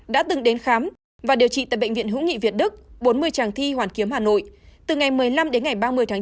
đã từng đến khám và điều trị tại bệnh viện hữu nghị việt đức bốn mươi tràng thi hoàn kiếm hà nội từ ngày một mươi năm đến ngày ba mươi tháng chín